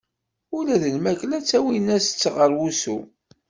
Ula d lmakla ttawin-as-tt ɣer wusu.